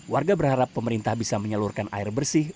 warga berharap pemerintah bisa menyalurkan air bersih